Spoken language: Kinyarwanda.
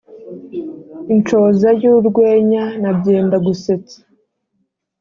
Inshoza y’urwenya na byendagusetsa